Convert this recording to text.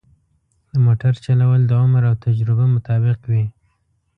د موټر چلول د عمر او تجربه مطابق وي.